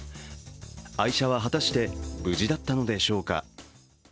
愛車は果たして無事だったのでしょうか。